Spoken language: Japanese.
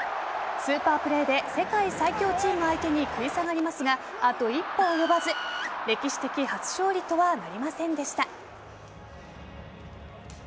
スーパープレーで世界最強チーム相手に食い下がりますがあと一歩及ばず歴史的初勝利とはなりませんでした。